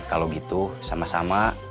kalau gitu sama sama